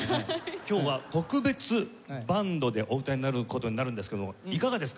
今日は特別バンドでお歌いになる事になるんですけどいかがですか？